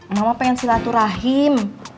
mama pengen silaturahim